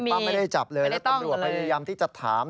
ไม่ได้จับเลยแล้วตำรวจพยายามที่จะถาม